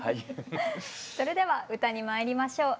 それでは歌にまいりましょう。